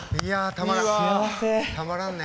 たまらんね。